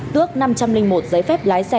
tước năm trăm linh một giấy phép lái xe